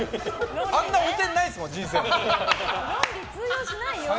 あんな汚点ないですもん、人生で。